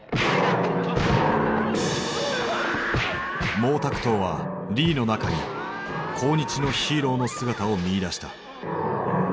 毛沢東はリーの中に抗日のヒーローの姿を見いだした。